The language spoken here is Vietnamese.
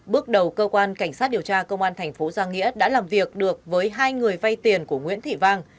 bước đầu cơ quan cảnh sát điều tra công an thành phố giang nghĩa đã làm việc được với hai người vay tiền của nguyễn thị vang